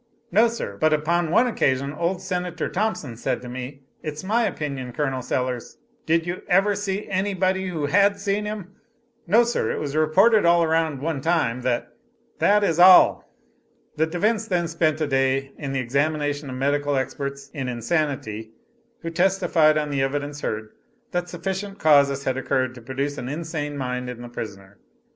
"No, Sir. But upon one occasion, old Senator Thompson said to me, its my opinion, Colonel Sellers" "Did you ever see any body who had seen him?" "No, sir: It was reported around at one time, that" "That is all." The defense then spent a day in the examination of medical experts in insanity who testified, on the evidence heard, that sufficient causes had occurred to produce an insane mind in the prisoner.